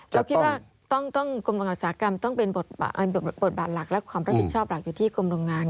เราคิดว่าต้องกรมโรงงานอุตสาหกรรมต้องเป็นบทบาทหลักและความรับผิดชอบหลักอยู่ที่กรมโรงงาน